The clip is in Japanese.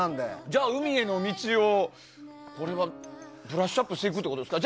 じゃあ「海への道」をブラッシュアップしていくってことですか。